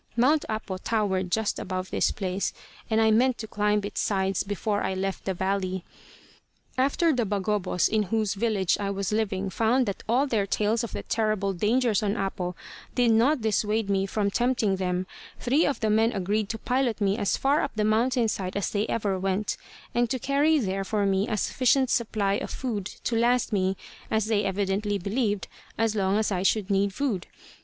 Mount Apo towered just above this place, and I meant to climb its sides before I left the valley. After the Bagabos in whose village I was living found that all their tales of the terrible dangers on Apo did not dissuade me from tempting them, three of the men agreed to pilot me as far up the mountain side as they ever went, and to carry there for me a sufficient supply of food to last me, as they evidently believed, as long as I should need food.